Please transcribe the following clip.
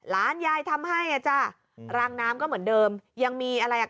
ยายทำให้อ่ะจ้ะรางน้ำก็เหมือนเดิมยังมีอะไรอ่ะ